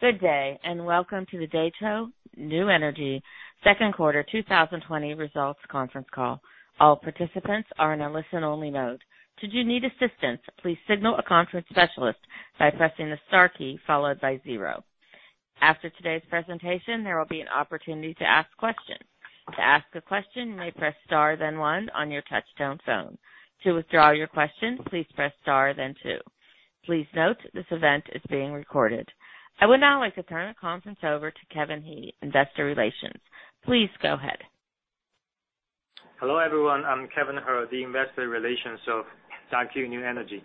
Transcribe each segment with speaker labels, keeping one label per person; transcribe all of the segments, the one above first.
Speaker 1: Good day, welcome to the Daqo New Energy second quarter 2020 results conference call. All participants are in a listen-only mode. Should you need assistance, please signal a conference specialist by pressing the star key followed by zero. After today's presentation, there will be an opportunity to ask questions. To ask a question, you may press star then one on your touch-tone phone. To withdraw your question, please press star then two. Please note this event is being recorded. I would now like to turn the conference over to Kevin He, Investor Relations. Please go ahead.
Speaker 2: Hello, everyone. I'm Kevin He, the Investor Relations of Daqo New Energy.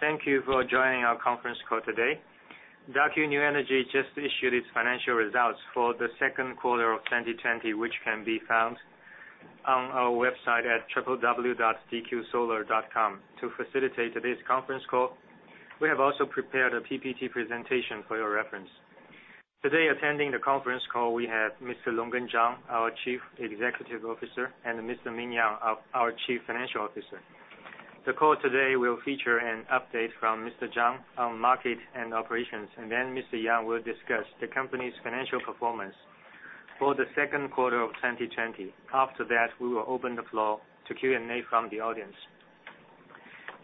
Speaker 2: Thank you for joining our conference call today. Daqo New Energy just issued its financial results for the second quarter of 2020, which can be found on our website at www.dqsolar.com. To facilitate today's conference call, we have also prepared a PPT presentation for your reference. Today, attending the conference call, we have Mr. Longgen Zhang, our Chief Executive Officer, and Mr. Ming Yang, our Chief Financial Officer. The call today will feature an update from Mr. Zhang on market and operations, and then Mr. Yang will discuss the company's financial performance for the second quarter of 2020. After that, we will open the floor to Q&A from the audience.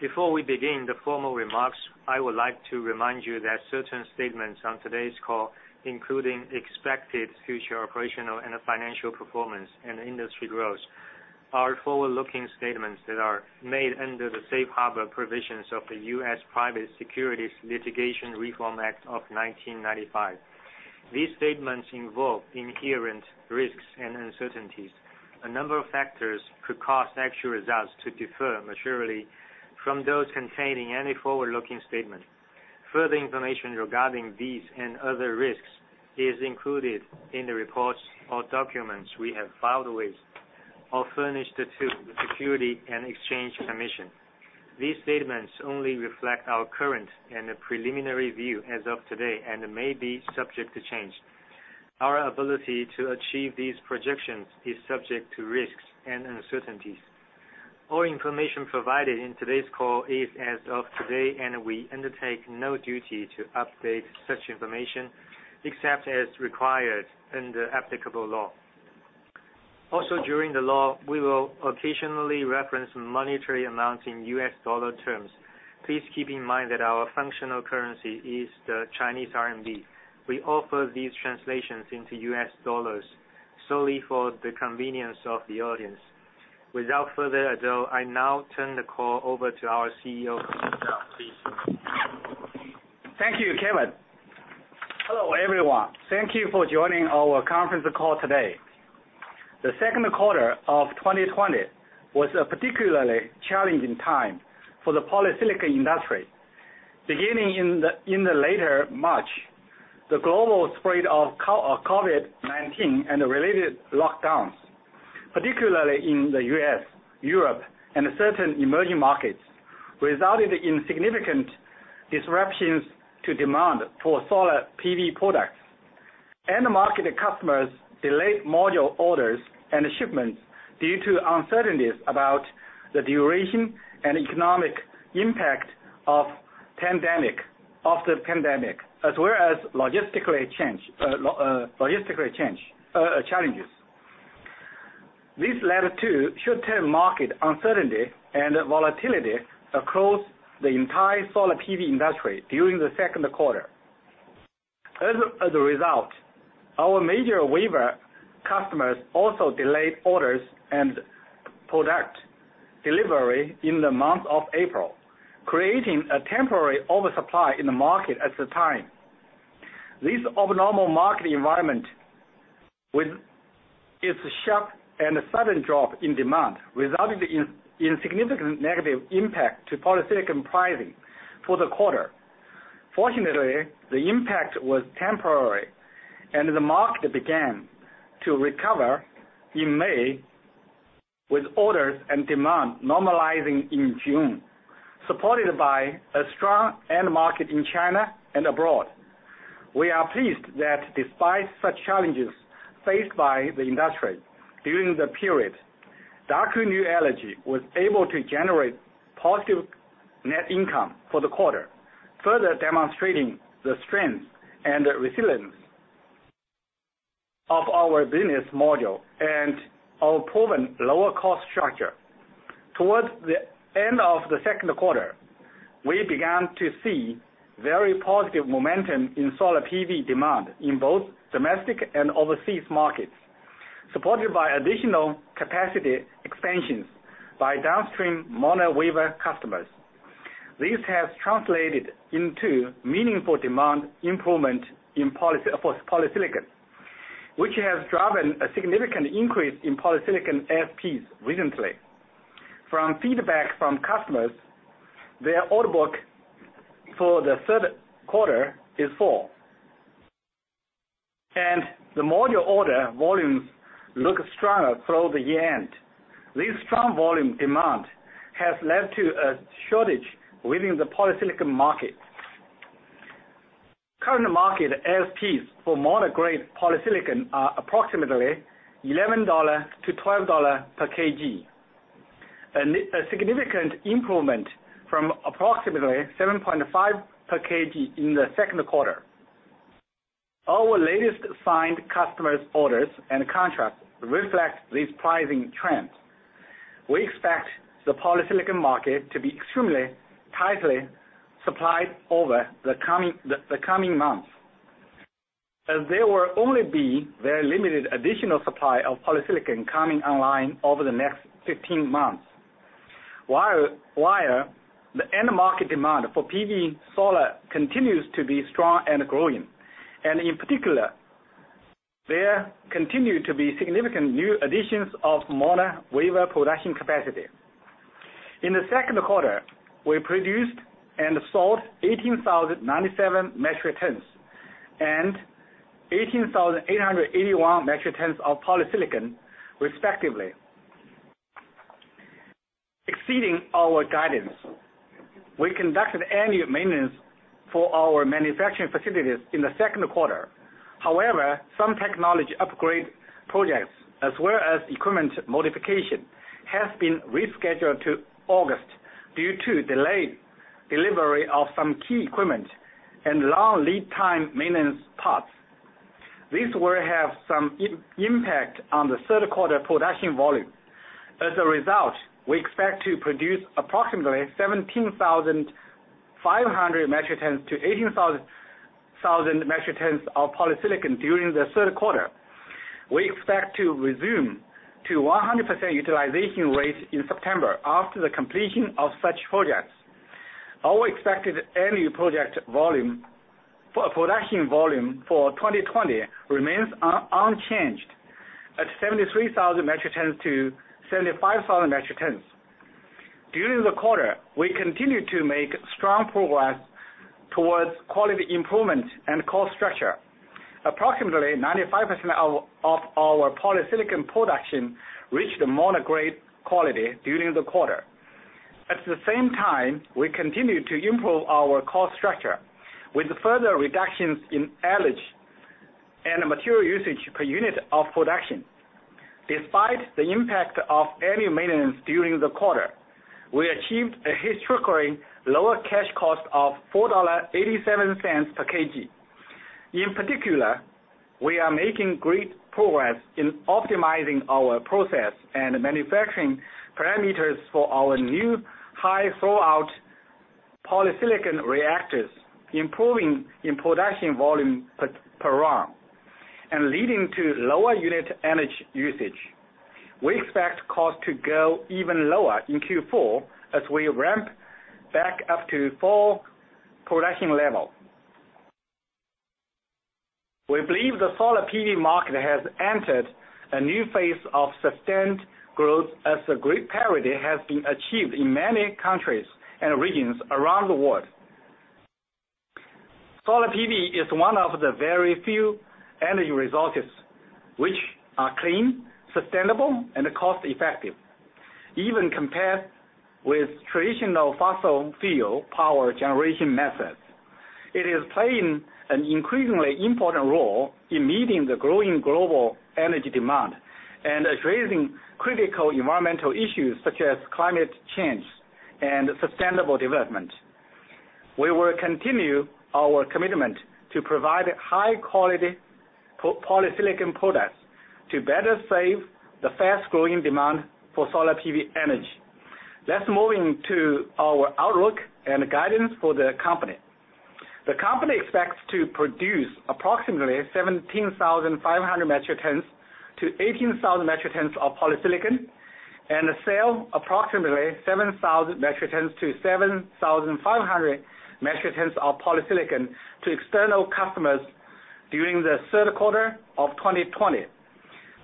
Speaker 2: Before we begin the formal remarks, I would like to remind you that certain statements on today's call, including expected future operational and financial performance and industry growth, are forward-looking statements that are made under the safe harbor provisions of the U.S. Private Securities Litigation Reform Act of 1995. These statements involve inherent risks and uncertainties. A number of factors could cause actual results to differ materially from those contained in any forward-looking statement. Further information regarding these and other risks is included in the reports or documents we have filed with or furnished to the Securities and Exchange Commission. These statements only reflect our current and preliminary view as of today and may be subject to change. Our ability to achieve these projections is subject to risks and uncertainties. All information provided in today's call is as of today, and we undertake no duty to update such information except as required under applicable law. During the call, we will occasionally reference monetary amounts in U.S. dollar terms. Please keep in mind that our functional currency is the Chinese RMB. We offer these translations into U.S. dollars solely for the convenience of the audience. Without further ado, I now turn the call over to our CEO, Mr. Zhang. Please.
Speaker 3: Thank you, Kevin. Hello, everyone. Thank you for joining our conference call today. The second quarter of 2020 was a particularly challenging time for the polysilicon industry. Beginning in the later March, the global spread of COVID-19 and the related lockdowns, particularly in the U.S., Europe, and certain emerging markets, resulted in significant disruptions to demand for solar PV products. End market customers delayed module orders and shipments due to uncertainties about the duration and economic impact of the pandemic, as well as logistically challenges. This led to short-term market uncertainty and volatility across the entire solar PV industry during the second quarter. As a result, our major wafer customers also delayed orders and product delivery in the month of April, creating a temporary oversupply in the market at the time. This abnormal market environment with its sharp and sudden drop in demand resulted in significant negative impact to polysilicon pricing for the quarter. Fortunately, the impact was temporary, and the market began to recover in May, with orders and demand normalizing in June, supported by a strong end market in China and abroad. We are pleased that despite such challenges faced by the industry during the period, Daqo New Energy was able to generate positive net income for the quarter, further demonstrating the strength and resilience of our business model and our proven lower cost structure. Towards the end of the second quarter, we began to see very positive momentum in solar PV demand in both domestic and overseas markets, supported by additional capacity expansions by downstream mono wafer customers. This has translated into meaningful demand improvement for polysilicon, which has driven a significant increase in polysilicon ASPs recently. From feedback from customers, their order book for the third quarter is full, and the module order volumes look stronger through the year-end. This strong volume demand has led to a shortage within the polysilicon market. Current market ASPs for module-grade polysilicon are approximately $11-$12 per kg. A significant improvement from approximately $7.5 per kg in the second quarter. Our latest signed customers' orders and contracts reflect these pricing trends. We expect the polysilicon market to be extremely tightly supplied over the coming months, as there will only be very limited additional supply of polysilicon coming online over the next 15 months. While the end market demand for PV solar continues to be strong and growing, and in particular, there continue to be significant new additions of monocrystalline wafer production capacity. In the second quarter, we produced and sold 18,097 metric tons and 18,881 metric tons of polysilicon respectively, exceeding our guidance. We conducted annual maintenance for our manufacturing facilities in the second quarter. However, some technology upgrade projects as well as equipment modification has been rescheduled to August due to delayed delivery of some key equipment and long lead time maintenance parts. This will have some impact on the third quarter production volume. As a result, we expect to produce approximately 17,500-18,000 metric tons of polysilicon during the third quarter. We expect to resume to 100% utilization rate in September after the completion of such projects. Our expected annual production volume for 2020 remains unchanged at 73,000 metric tons-75,000 metric tons. During the quarter, we continued to make strong progress towards quality improvement and cost structure. Approximately 95% of our polysilicon production reached mono-grade quality during the quarter. At the same time, we continued to improve our cost structure with further reductions in energy and material usage per unit of production. Despite the impact of annual maintenance during the quarter, we achieved a historically lower cash cost of $4.87 per kg. In particular, we are making great progress in optimizing our process and manufacturing parameters for our new high-throughput polysilicon reactors, improving in production volume per run, and leading to lower unit energy usage. We expect costs to go even lower in Q4 as we ramp back up to full production level. We believe the solar PV market has entered a new phase of sustained growth as a grid parity has been achieved in many countries and regions around the world. Solar PV is one of the very few energy resources which are clean, sustainable, and cost-effective, even compared with traditional fossil fuel power generation methods. It is playing an increasingly important role in meeting the growing global energy demand and addressing critical environmental issues such as climate change and sustainable development. We will continue our commitment to provide high-quality polysilicon products to better serve the fast-growing demand for solar PV energy. Let's move into our outlook and guidance for the company. The company expects to produce approximately 17,500 metric tons-18,000 metric tons of polysilicon, and sell approximately 7,000 metric tons-7,500 metric tons of polysilicon to external customers during the third quarter of 2020.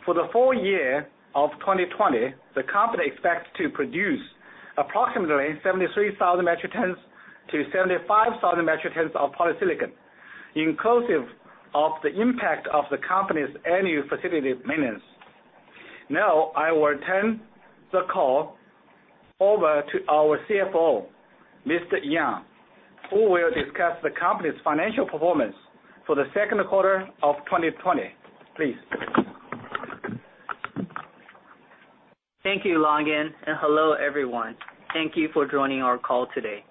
Speaker 3: For the full year of 2020, the company expects to produce approximately 73,000 metric tons-75,000 metric tons of polysilicon, inclusive of the impact of the company's annual facility maintenance. Now I will turn the call over to our CFO, Mr. Yang, who will discuss the company's financial performance for the second quarter of 2020. Please.
Speaker 4: Thank you, Longgen. Hello, everyone. Thank you for joining our call today.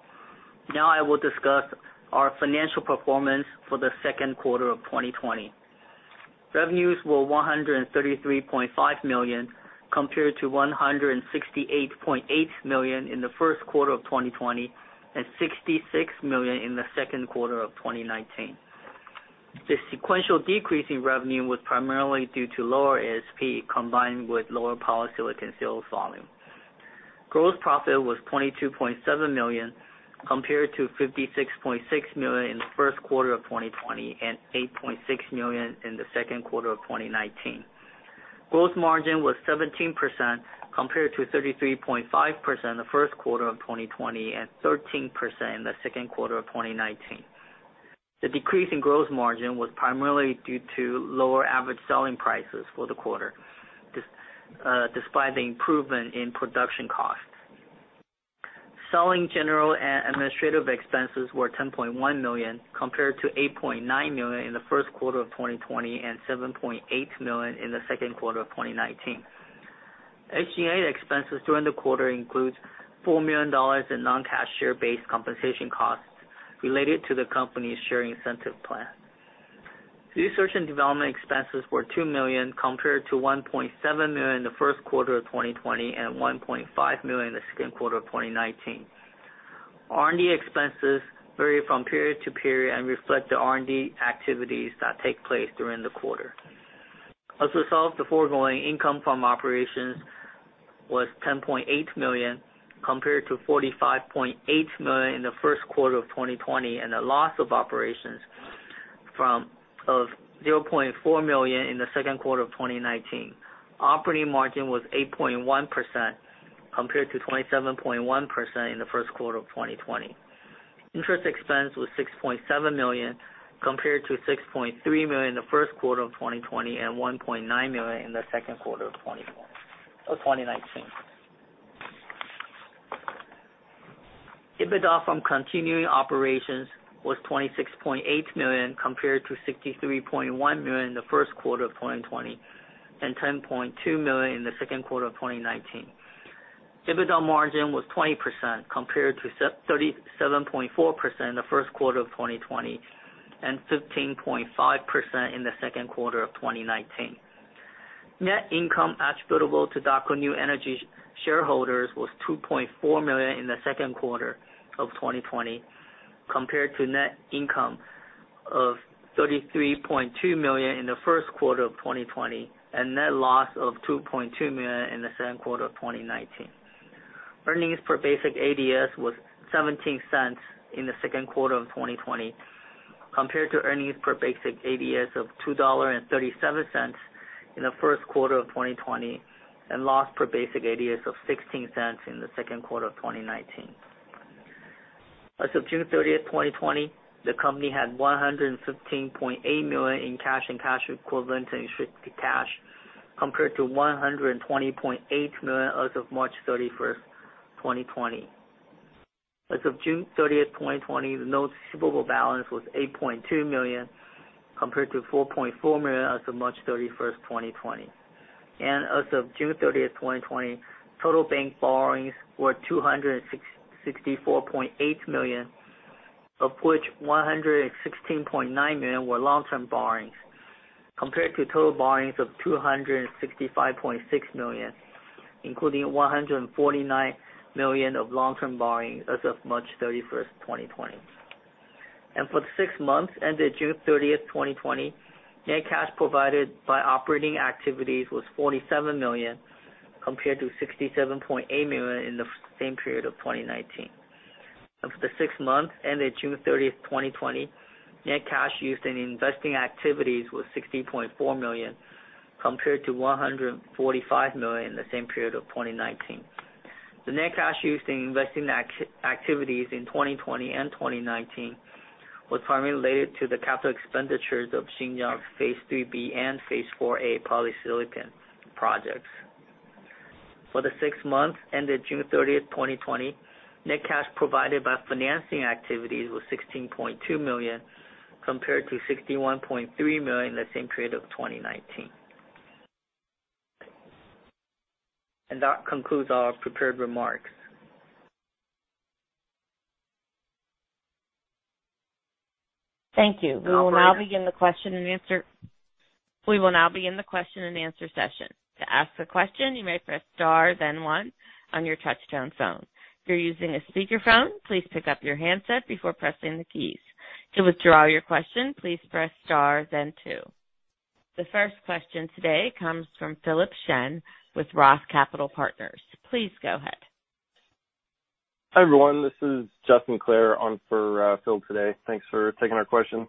Speaker 4: Now I will discuss our financial performance for the second quarter of 2020. Revenues were $133.5 million, compared to $168.8 million in the first quarter of 2020 and $66 million in the second quarter of 2019. The sequential decrease in revenue was primarily due to lower ASP, combined with lower polysilicon sales volume. Gross profit was $22.7 million, compared to $56.6 million in the first quarter of 2020 and $8.6 million in the second quarter of 2019. Gross margin was 17%, compared to 33.5% in the first quarter of 2020 and 13% in the second quarter of 2019. The decrease in gross margin was primarily due to lower average selling prices for the quarter despite the improvement in production cost. Selling, General, and Administrative expenses were $10.1 million compared to $8.9 million in the first quarter of 2020 and $7.8 million in the second quarter of 2019. SG&A expenses during the quarter includes $4 million in non-cash share-based compensation costs related to the company's share incentive plan. Research and development expenses were $2 million compared to $1.7 million in the first quarter of 2020 and $1.5 million in the second quarter of 2019. R&D expenses vary from period to period and reflect the R&D activities that take place during the quarter. As a result of the foregoing, income from operations was $10.8 million compared to $45.8 million in the first quarter of 2020, and a loss of operations of $0.4 million in the second quarter of 2019. Operating margin was 8.1% compared to 27.1% in the first quarter of 2020. Interest expense was $6.7 million compared to $6.3 million in the first quarter of 2020 and $1.9 million in the second quarter of 2019. EBITDA from continuing operations was $26.8 million compared to $63.1 million in the first quarter of 2020 and $10.2 million in the second quarter of 2019. EBITDA margin was 20% compared to 37.4% in the first quarter of 2020 and 15.5% in the second quarter of 2019. Net income attributable to Daqo New Energy shareholders was $2.4 million in the second quarter of 2020 compared to net income of $33.2 million in the first quarter of 2020 and net loss of $2.2 million in the second quarter of 2019. Earnings per basic ADS was $0.17 in the second quarter of 2020 compared to earnings per basic ADS of $2.37 in the first quarter of 2020 and loss per basic ADS of $0.16 in the second quarter of 2019. As of June 30th, 2020, the company had $115.8 million in cash and cash equivalents and restricted cash compared to $120.8 million as of March 31st, 2020. As of June 30th, 2020, the notes receivable balance was $8.2 million compared to $4.4 million as of March 31st, 2020. As of June 30th, 2020, total bank borrowings were $264.8 million, of which $116.9 million were long-term borrowings, compared to total borrowings of $265.6 million, including $149 million of long-term borrowings as of March 31st, 2020. For the six months ended June 30th, 2020, net cash provided by operating activities was $47 million compared to $67.8 million in the same period of 2019. For the six months ended June 30, 2020, net cash used in investing activities was $60.4 million compared to $145 million in the same period of 2019. The net cash used in investing activities in 2020 and 2019 was primarily related to the capital expenditures of Xinjiang Phase 3B and Phase 4A polysilicon projects. For the six months ended June 30th, 2020, net cash provided by financing activities was $16.2 million compared to $61.3 million in the same period of 2019. That concludes our prepared remarks.
Speaker 1: Thank you. We will now begin the question and answer session. To ask a question, you may press star then one on your touch-tone phone. If you're using a speakerphone, please pick up your handset before pressing the keys. To withdraw your question, please press star then two. The first question today comes from Philip Shen with ROTH Capital Partners. Please go ahead.
Speaker 5: Hi, everyone. This is Justin Clare on for Phil today. Thanks for taking our question.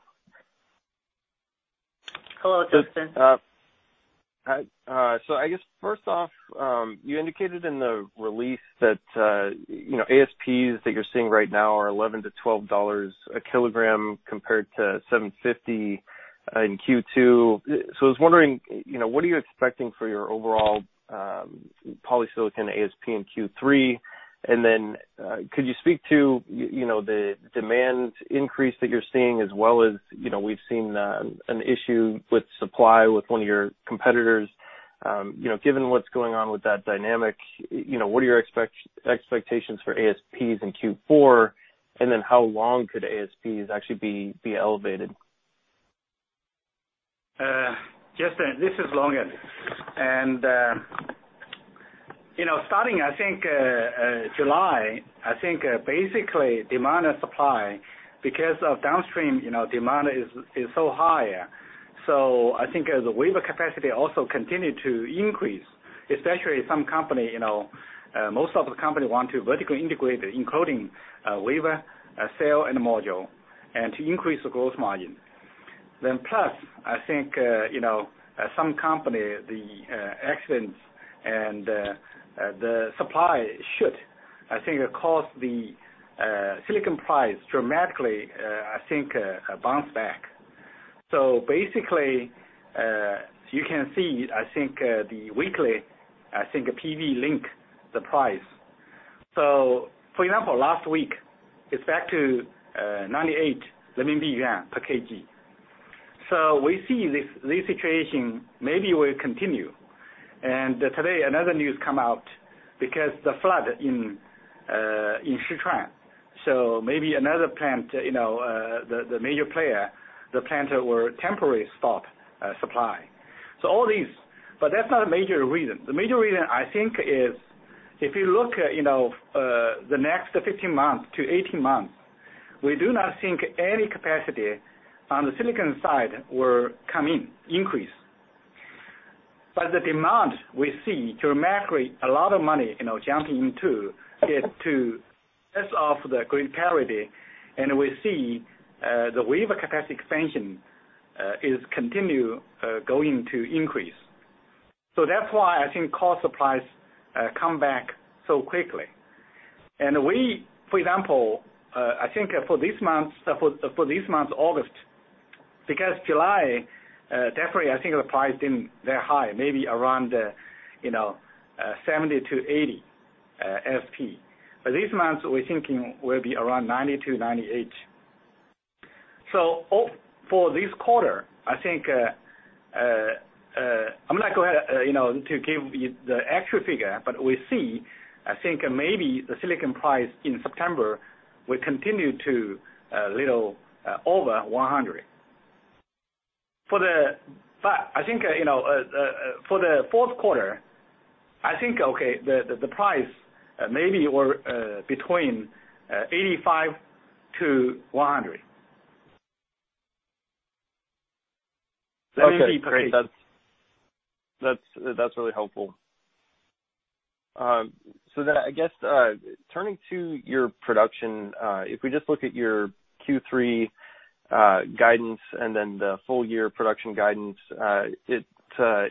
Speaker 3: Hello, Justin.
Speaker 5: Hi. I guess first off, you indicated in the release that, you know, ASPs that you're seeing right now are $11-$12 a kg compared to $7.50 in Q2. I was wondering, you know, what are you expecting for your overall polysilicon ASP in Q3? Then, could you speak to you know, the demand increase that you're seeing as well as, you know, we've seen an issue with supply with one of your competitors. You know, given what's going on with that dynamic, you know, what are your expectations for ASPs in Q4? Then how long could ASPs actually be elevated?
Speaker 3: Justin, this is Longgen. You know, starting, I think, July, I think, basically demand and supply because of downstream, you know, demand is so high. I think as the wafer capacity also continued to increase, especially some company, you know, most of the company want to vertically integrate, including wafer, cell, and module, and to increase the gross margin. Plus, I think, you know, some company, the accidents and the supply should, I think it caused the silicon price dramatically, I think, bounce back. Basically, you can see, I think, the weekly, I think PV Insights price. For example, last week it's back to 98 renminbi per kg. We see this situation maybe will continue. Today another news come out because the flood in Sichuan, so maybe another plant, you know, the major player, the plant were temporary stop supply. That's not a major reason. The major reason I think is if you look, you know, the next 15-18 months, we do not think any capacity on the silicon side will come in, increase. The demand we see dramatically a lot of money, you know, jumping into is to push off the grid parity, and we see the wafer capacity expansion is continue going to increase. That's why I think cost supplies come back so quickly. We, for example, I think for this month, for this month, August, because July, definitely I think the price didn't that high, maybe around, you know, 70-80. This month we're thinking will be around 90-98. For this quarter, I think, I'm not gonna, you know, to give you the actual figure, but we see, I think maybe the polysilicon price in September will continue to little over 100. I think, you know, for the fourth quarter, I think the price maybe were between RMB 85-RMB 100.
Speaker 5: Okay, great. That's, that's really helpful. Then I guess, turning to your production, if we just look at your Q3 guidance and then the full year production guidance, it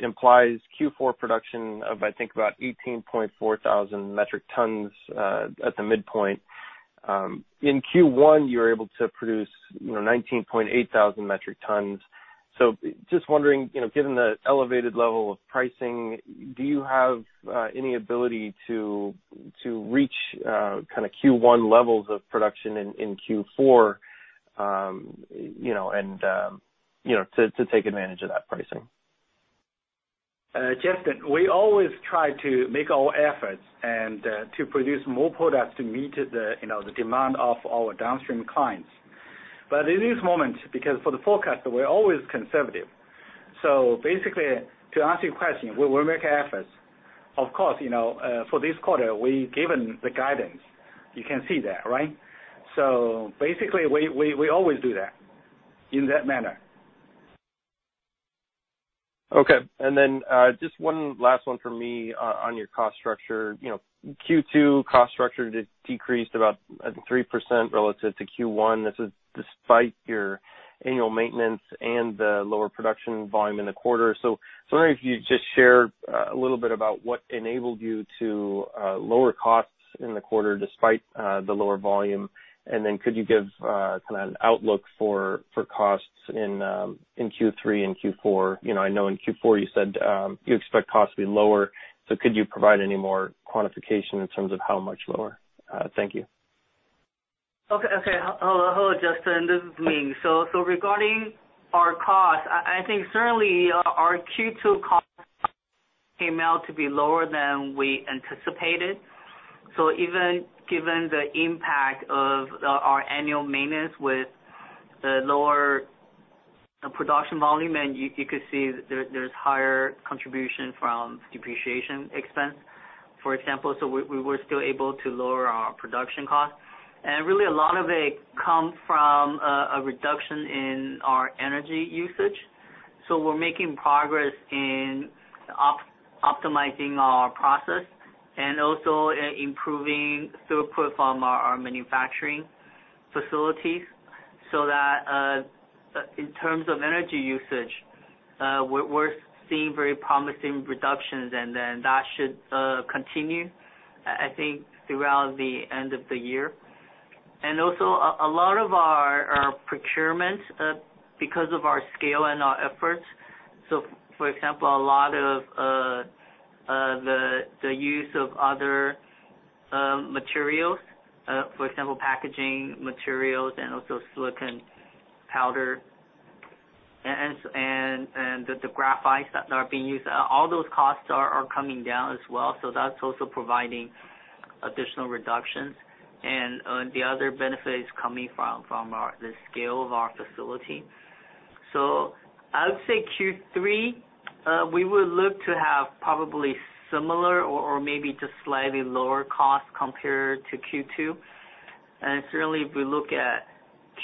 Speaker 5: implies Q4 production of, I think about 18,400 metric tons, at the midpoint. In Q1, you were able to produce, you know, 19,800 metric tons. Just wondering, you know, given the elevated level of pricing, do you have any ability to reach kind of Q1 levels of production in Q4, you know, and, you know, to take advantage of that pricing?
Speaker 3: Justin, we always try to make our efforts and to produce more products to meet the, you know, the demand of our downstream clients. In this moment, because for the forecast, we're always conservative. Basically, to answer your question, we will make efforts. Of course, you know, for this quarter, we've given the guidance. You can see that, right? Basically, we always do that in that manner.
Speaker 5: Okay. Just one last one for me on your cost structure. You know, Q2 cost structure did decrease about, I think 3% relative to Q1. This is despite your annual maintenance and the lower production volume in the quarter. I was wondering if you could just share a little bit about what enabled you to lower costs in the quarter despite the lower volume. Could you give kind of an outlook for costs in Q3 and Q4? You know, I know in Q4 you said you expect costs to be lower, so could you provide any more quantification in terms of how much lower? Thank you.
Speaker 4: Hello, Justin, this is Ming. Regarding our costs, I think certainly our Q2 costs came out to be lower than we anticipated. Even given the impact of our annual maintenance with the lower production volume, and you could see there's higher contribution from depreciation expense, for example. We were still able to lower our production cost. Really a lot of it come from a reduction in our energy usage. We're making progress in optimizing our process and also improving throughput from our manufacturing facilities so that in terms of energy usage, we're seeing very promising reductions and then that should continue, I think throughout the end of the year. Also a lot of our procurement, because of our scale and our efforts. For example, a lot of the use of other materials, for example, packaging materials and also silicon powder and the graphites that are being used, all those costs are coming down as well. That's also providing additional reductions. The other benefit is coming from our the scale of our facility. I would say Q3, we will look to have probably similar or maybe just slightly lower cost compared to Q2. Certainly, if we look at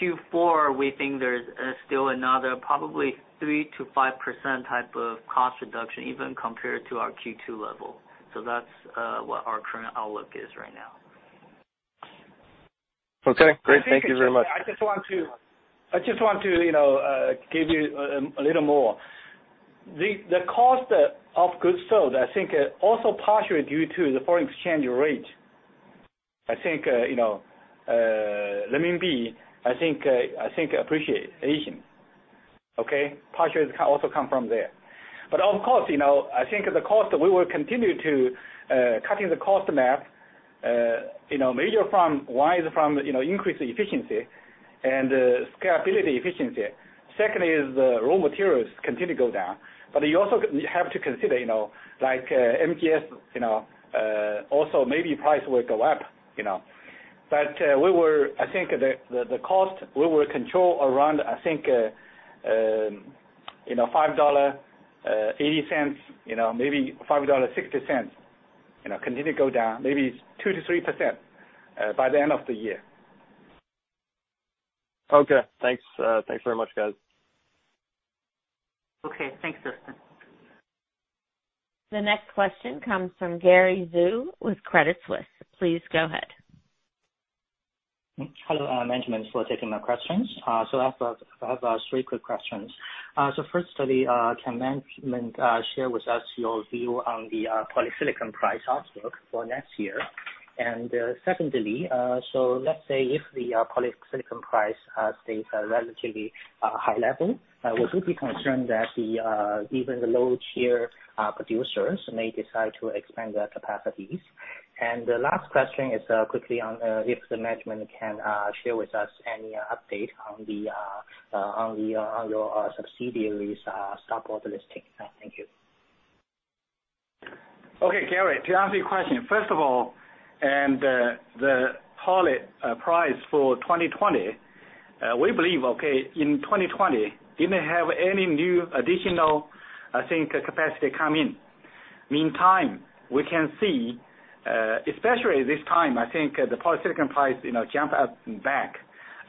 Speaker 4: Q4, we think there's still another probably 3%-5% type of cost reduction even compared to our Q2 level. That's what our current outlook is right now.
Speaker 5: Okay, great. Thank you very much.
Speaker 3: I just want to, you know, give you a little more. The cost of goods sold, I think, also partially due to the foreign exchange rate. I think, you know, the RMB, I think, I think appreciate. Okay. Pressure is also come from there. Of course, you know, I think the cost, we will continue to cutting the cost map. You know, major from, one is from, you know, increase efficiency and scalability efficiency. Second is the raw materials continue go down. You also have to consider, you know, like MGS, you know, also maybe price will go up, you know. I think the cost, we will control around, I think, you know, $5.80, you know, maybe $5.60, you know, continue go down, maybe 2%-3% by the end of the year.
Speaker 5: Okay, thanks. Thanks very much, guys.
Speaker 4: Okay, thanks, Justin.
Speaker 1: The next question comes from Gary Zhou with Credit Suisse. Please go ahead.
Speaker 6: Hello, management for taking my questions. I have three quick questions. Firstly, can management share with us your view on the polysilicon price outlook for next year? Secondly, let's say if the polysilicon price stays at relatively high level, would you be concerned that even the low-tier producers may decide to expand their capacities? The last question is quickly on if the management can share with us any update on the, on your subsidiary's stock listing. Thank you.
Speaker 3: Okay, Gary, to answer your question. First of all, and the poly price for 2020, we believe, in 2020, didn't have any new additional capacity come in. Meantime, we can see, especially this time, the polysilicon price, you know, jump up and back.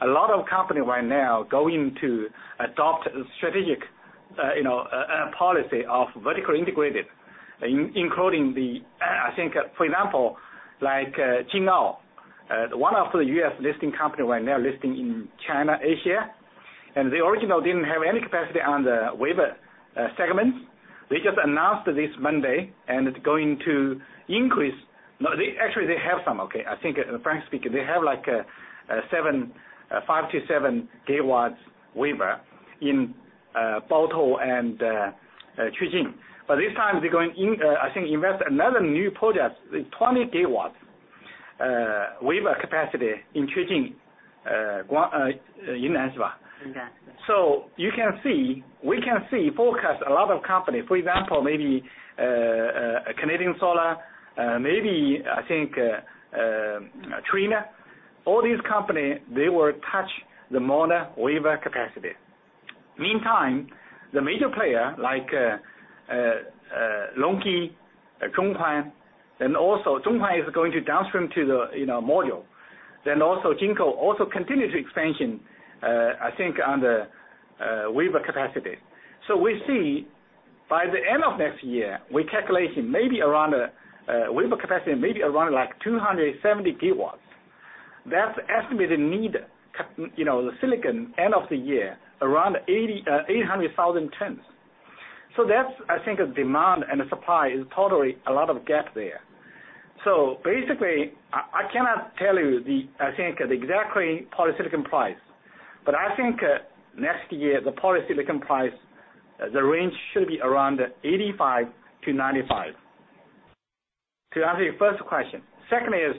Speaker 3: A lot of company right now going to adopt a strategic, you know, policy of vertical integrated, including for example, like Jinko, one of the U.S. listing company right now, listing in China, A-share. They original didn't have any capacity on the wafer segments. They just announced this Monday. Actually they have some. Frankly speaking, they have like 5 GW-7 GW wafer in Baotou and Tianjin. This time they're going in, I think invest another new project with 20 GW wafer capacity in Tianjin.
Speaker 6: Okay.
Speaker 3: You can see, forecast a lot of company, for example, maybe Canadian Solar, maybe I think Trina. All these company, they will touch the mono wafer capacity. Meantime, the major player like LONGi, Zhonghuan, and also Zhonghuan is going to downstream to the, you know, module. Also Jinko also continue to expansion, I think on the wafer capacity. We see by the end of next year, we calculation maybe around wafer capacity maybe around like 270 GW. That's estimated need, you know, the silicon end of the year, around 800,000 tons. That's I think a demand and a supply is totally a lot of gap there. Basically, I cannot tell you the, I think, the exactly polysilicon price. I think next year, the polysilicon price range should be around 85-95, to answer your first question. Second is,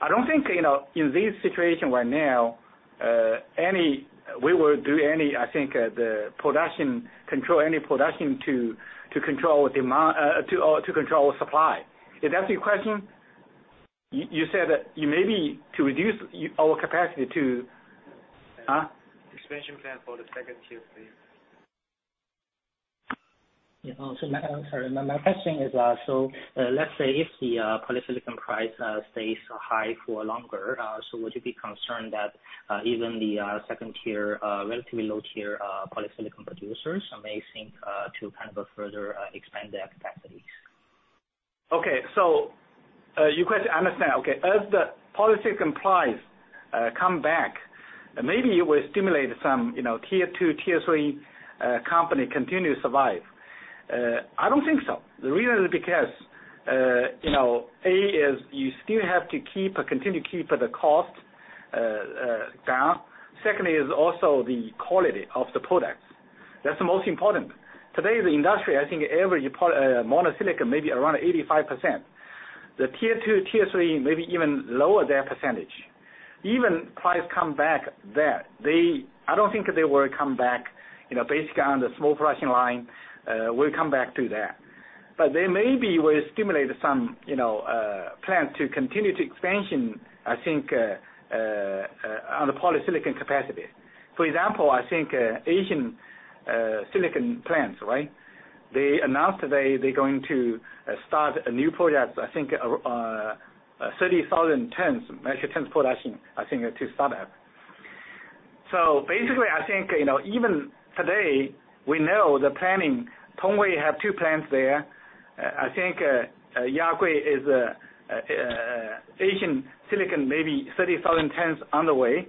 Speaker 3: I don't think, you know, in this situation right now, any control any production to control demand, to control supply. Is that your question? You said, you maybe to reduce our capacity to?
Speaker 6: Expansion plan for the second tier, please. Yeah. I'm sorry. My question is, let's say if the polysilicon price stays high for longer, would you be concerned that even the second tier, relatively low tier, polysilicon producers may seek to kind of further expand their capacities?
Speaker 3: Okay. Your question, I understand. Okay. As the polysilicon price come back, maybe it will stimulate some, you know, tier two, tier three company continue to survive. I don't think so. The reason is because, you know, A is you still have to keep or continue keep the cost down. Secondly is also the quality of the products. That's the most important. Today, the industry, I think every mono silicon may be around 85%. The tier two, tier three may be even lower their percentage. Even price come back there, they I don't think they will come back, you know, based on the small production line, will come back to that. They may be will stimulate some, you know, plant to continue to expansion, I think, on the polysilicon capacity. For example, I think Asia Silicon plants, right? They announced they're going to start a new project, I think 30,000 tons, metric tons production, I think to start up. Basically I think, you know, even today, we know the planning, Tongwei have two plants there. I think Yaokui is Asia Silicon maybe 30,000 tons on the way.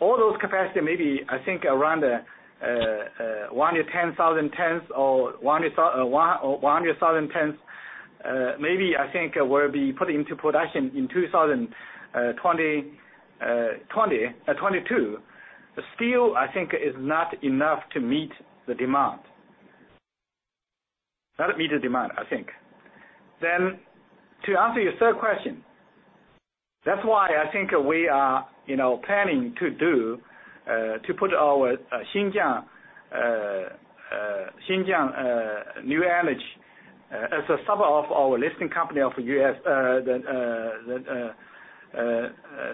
Speaker 3: All those capacity maybe I think around 1,000-10,000 tons or 100,000 tons, maybe I think will be put into production in 2022. Still, I think is not enough to meet the demand. Not meet the demand, I think. To answer your third question, that's why I think we are, you know, planning to do to put our Xinjiang Daqo New Energy as a subsidiary of our listing company of U.S., the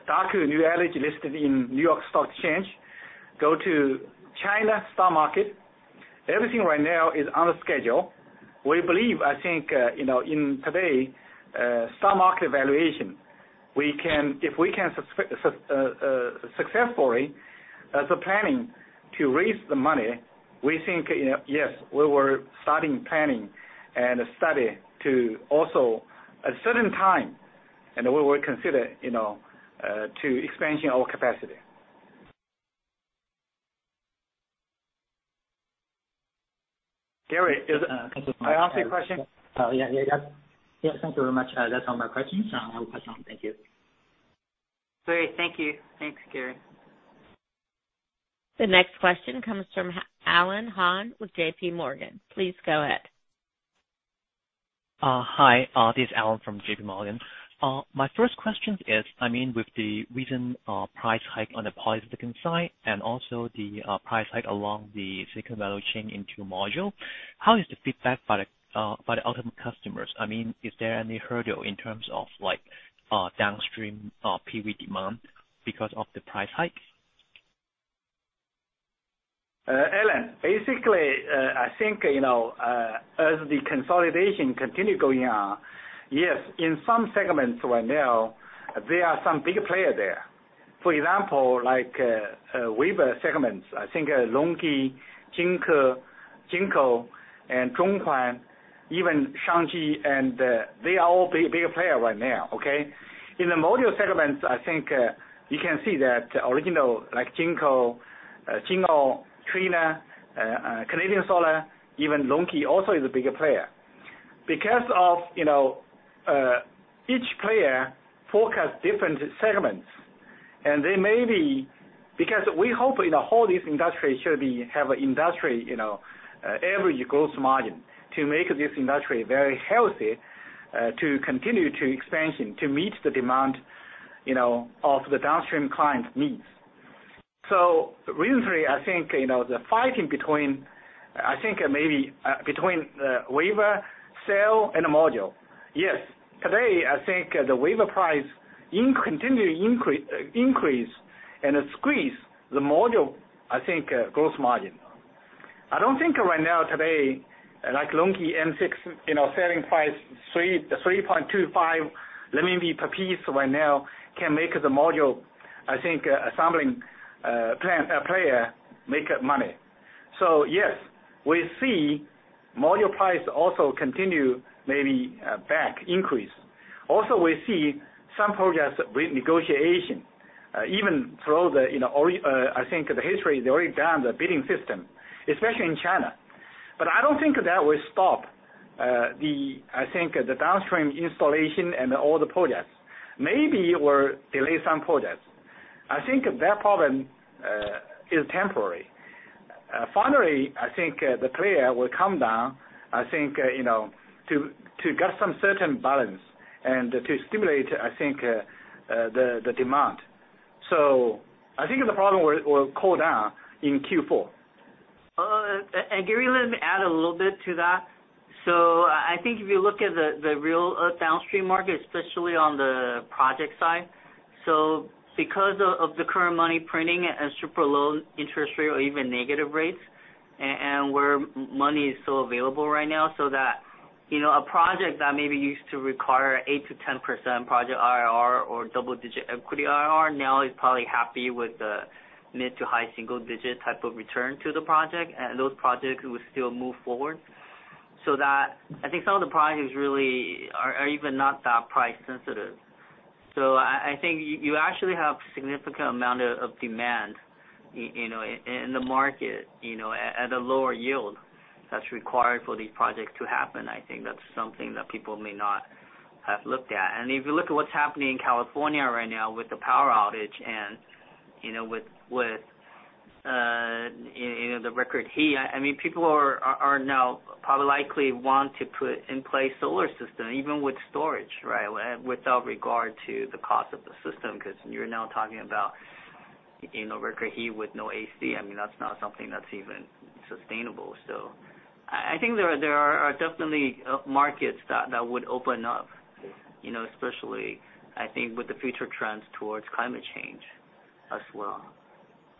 Speaker 3: Daqo New Energy listed in New York Stock Exchange, go to China stock market. Everything right now is on schedule. We believe, I think, you know, in today stock market valuation, If we can successfully, as we're planning to raise the money, we think, you know, yes, we were starting planning and study to also a certain time, and we will consider, you know, to expansion our capacity.
Speaker 4: Gary, does that-
Speaker 6: Uh, can-
Speaker 4: ...answer your question?
Speaker 6: Yeah. Yes, thank you very much. That's all my questions. No question. Thank you.
Speaker 4: Great. Thank you. Thanks, Gary.
Speaker 1: The next question comes from Alan Hon with JPMorgan. Please go ahead.
Speaker 7: Hi. This is Alan from JPMorgan. My first questions is, I mean, with the recent price hike on the polysilicon side and also the price hike along the silicon value chain into module, how is the feedback by the ultimate customers? I mean, is there any hurdle in terms of, like, downstream PV demand because of the price hikes?
Speaker 3: Alan, basically, I think, you know, as the consolidation continue going on, yes, in some segments right now, there are some bigger player there. For example, like, wafer segments, I think, LONGi, Jinko, and Zhonghuan, even Shangji and, they are all bigger player right now, okay? In the module segments, I think, you can see that original, like Jinko, Trina, Canadian Solar, even LONGi also is a bigger player. Because we hope in the whole this industry should be, have industry, you know, average gross margin to make this industry very healthy, to continue to expansion, to meet the demand, you know, of the downstream clients' needs. Recently, you know, the fighting maybe between wafer, cell, and module. Yes. Today, I think, the wafer price continue increase, and it squeeze the module, I think, gross margin. I don't think right now today, like LONGi M6, you know, selling price 3.25 per piece right now can make the module, I think, assembling plan player make money. Yes, we see module price also continue maybe back increase. Also, we see some projects with negotiation, even through, you know, I think the history, they already done the bidding system, especially in China. I don't think that will stop the, I think, the downstream installation and all the projects. Maybe will delay some projects. I think that problem is temporary. Finally, I think, the player will come down, I think, you know, to get some certain balance and to stimulate, I think, the demand. I think the problem will cool down in Q4.
Speaker 4: Gary, let me add a little bit to that. I think if you look at the real downstream market, especially on the project side, because of the current money printing and super low interest rate or even negative rates and where money is so available right now, that, you know, a project that maybe used to require 8%-10% project IRR or double-digit equity IRR now is probably happy with the mid to high single-digit type of return to the project. Those projects will still move forward. I think some of the projects really are even not that price sensitive. I think you actually have significant amount of demand, you know, in the market, you know, at a lower yield that's required for these projects to happen. I think that's something that people may not have looked at. If you look at what's happening in California right now with the power outage and, you know, with, you know, the record heat, I mean, people are now probably likely want to put in place solar system even with storage, right. Without regard to the cost of the system 'cause you're now talking about, you know, record heat with no AC. I mean, that's not something that's even sustainable. I think there are definitely markets that would open up, you know, especially I think with the future trends towards climate change as well.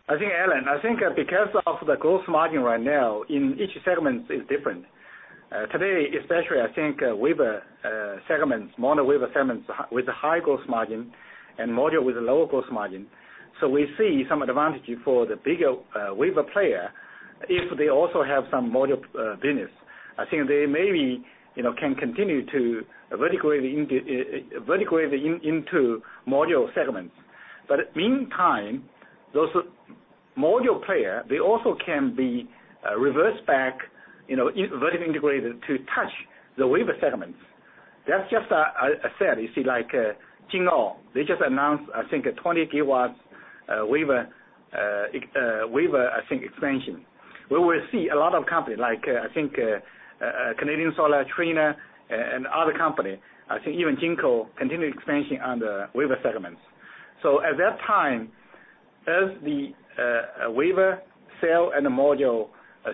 Speaker 3: I think, Alan Hon, I think, because of the gross margin right now, in each segment is different. Today, especially, I think, wafer segments, mono wafer segments with the high gross margin and module with a lower gross margin. We see some advantage for the bigger wafer player, If they also have some module business, I think they maybe, you know, can continue to vertically into module segments. Meantime, those module player, they also can be reversed back, you know, vertically integrated to touch the wafer segments. That's just, I said, you see like Jinko, they just announced I think a 20 GW wafer expansion. We will see a lot of company like, I think, Canadian Solar, Trina and other company, I think even Jinko continue expansion on the wafer segments. At that time, as the wafer cell and the module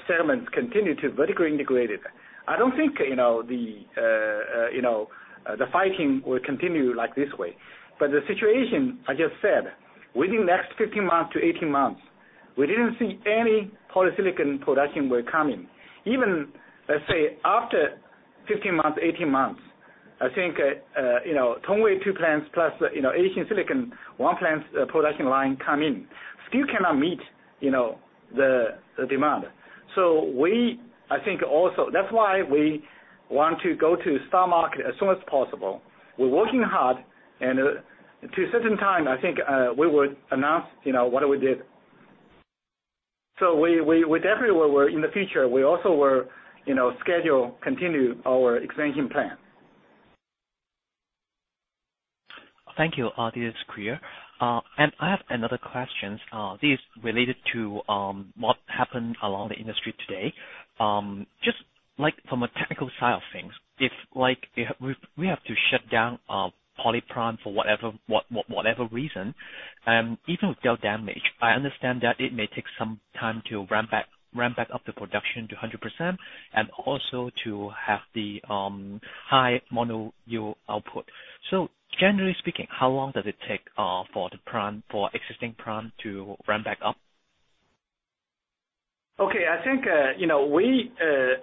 Speaker 3: segments continue to vertically integrated, I don't think, you know, the fighting will continue like this way. The situation, I just said, within the next 15-18 months, we didn't see any polysilicon production were coming. Even let's say after 15-18 months, I think, you know, Tongwei two plants plus, you know, Asia Silicon one plant production line come in still cannot meet, you know, the demand. We, I think also that's why we want to go to stock market as soon as possible. We're working hard and, to certain time, I think, we would announce, you know, what we did. We definitely will in the future, we also will, you know, schedule continue our expansion plan.
Speaker 7: Thank you. This is clear. I have another question. This is related to what happened along the industry today. From a technical side of things, if we have to shut down poly plant for whatever reason, even with their damage, I understand that it may take some time to ramp back up the production to 100% and also to have the high mono yield output. Generally speaking, how long does it take for existing plant to ramp back up?
Speaker 3: I think, you know, we,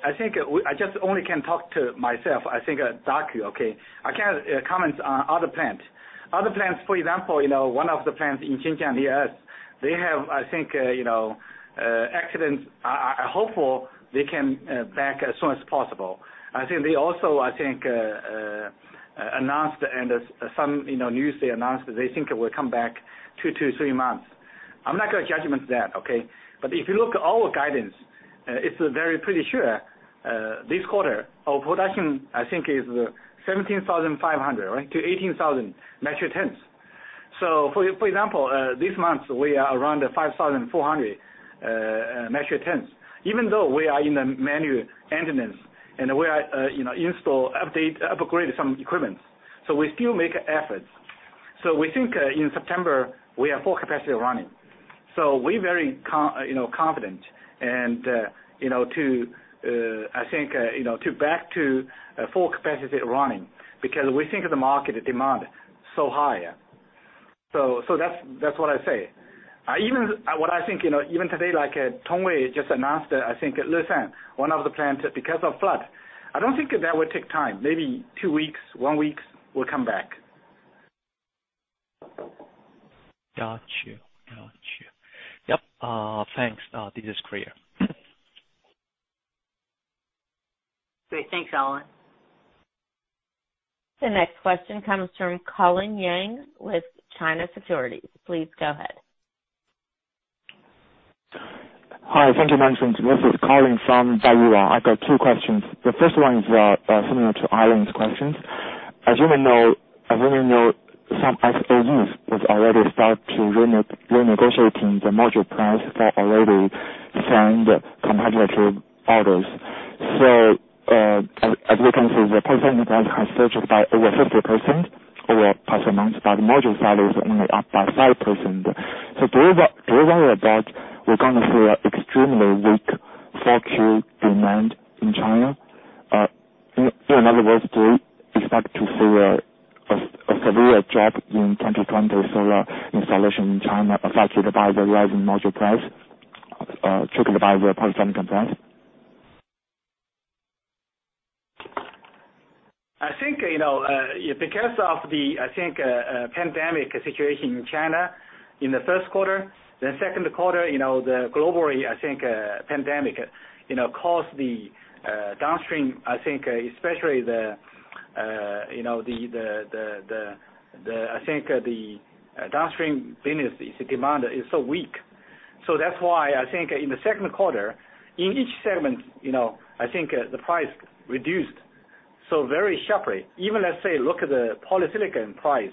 Speaker 3: I think, I just only can talk to myself, I think, Daqo, okay? I can't comment on other plant. Other plants, for example, you know, one of the plants in Xinjiang, they have, I think, you know, accidents. I hopeful they can back as soon as possible. I think they also, I think, announced and as some, you know, news they announced that they think it will come back two to three months. I'm not gonna judgment that, okay? If you look at our guidance, it's very pretty sure, this quarter our production, I think is 17,500 metric tons-18,000 metric tons. For example, this month we are around 5,400 metric tons. Even though we are in the annual maintenance and we are, you know, install, update, upgrade some equipments, we still make efforts. We think, in September, we are full capacity running. We very confident and, you know, to back to full capacity running because we think the market demand so high. That's what I say. Even what I think, you know, even today, like Tongwei just announced, I think at Leshan, one of the plants, because of flood, I don't think that will take time. Maybe two weeks, one week will come back.
Speaker 7: Got you. Got you. Yep. Thanks. This is clear.
Speaker 4: Great. Thanks, Alan Hon.
Speaker 1: The next question comes from Colin Yang with China Securities. Please go ahead.
Speaker 8: Hi. Thank you, management. This is Colin Yang from. I got two questions. The first one is similar to Alan's questions. As you may know, as we may know, some SOEs has already start to renegotiating the module price for already signed committed orders. As we can see, the polysilicon price has surged by over 50% over past months, but module price is only up by 5%. Do you worry about we're gonna see a extremely weak 4Q demand in China? In other words, do you expect to see a severe drop in 2020 solar installation in China affected by the rising module price triggered by the polysilicon price?
Speaker 3: I think, you know, because of the, I think, pandemic situation in China in the first quarter, the second quarter, you know, the globally, I think, pandemic, you know, caused the downstream I think, especially the, you know, the downstream business demand is so weak. That's why I think, in the second quarter, in each segment, you know, I think, the price reduced so very sharply. Even let's say look at the polysilicon price.